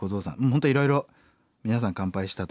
本当いろいろ皆さん乾杯したということで。